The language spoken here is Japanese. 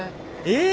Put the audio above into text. え！